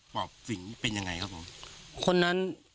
ปอบสิงค์เป็นยังไงครับผม